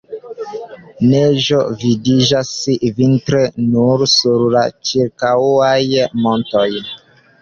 Neĝo vidiĝas vintre nur sur la ĉirkaŭaj montoj.